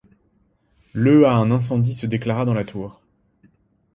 Le à un incendie se déclara dans la tour.